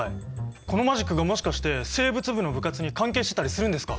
このマジックがもしかして生物部の部活に関係してたりするんですか？